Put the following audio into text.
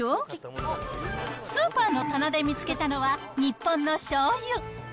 スーパーの棚で見つけたのは日本のしょうゆ。